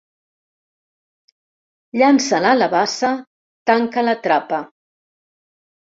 Llança-la a la bassa, tanca la trapa.